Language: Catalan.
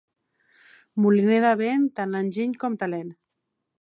Moliner de vent, tant enginy com talent.